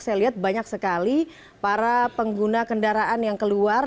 saya lihat banyak sekali para pengguna kendaraan yang keluar